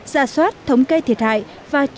giả soát thống kê thiệt hại và chỉnh